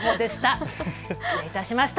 失礼いたしました。